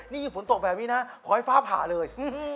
นี่คือฝนตกแบบนี้นะขอให้ฟ้าผ่าเลย